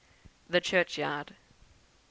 The Churchyard; 2.